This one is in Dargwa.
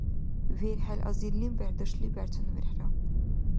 верхӀел азирлим верхӀдаршлим верхӀцӀанну верхӀра